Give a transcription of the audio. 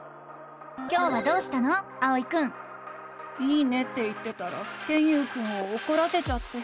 「いいね」って言ってたらケンユウくんをおこらせちゃって。